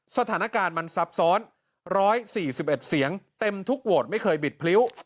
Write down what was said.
สถานการณ์มันซับซ้อน๑๔๑เสียงเต็มทุกโหวตไม่เคยบิดพลิ้ว